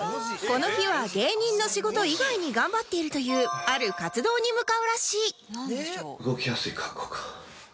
この日は芸人の仕事以外に頑張っているというある活動に向かうらしい